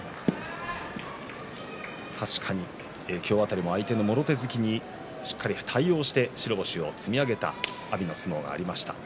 確かに今日辺りも相手のもろ手突きにしっかり対応して白星を積み上げた阿炎でした。